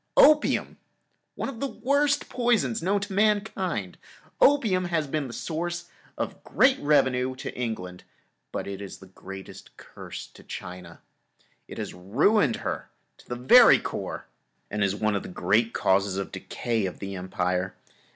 opium, one of the worst poisons known to mankind. Opium has been and is the source of great revenue to England, but it is the greatest curse to China. It has ruined her to the very core, and is one of the great causes of the decay of the Empire.